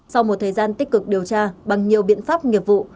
sau một thời gian tích cực điều tra bằng nhiều biện pháp nghiệp vụ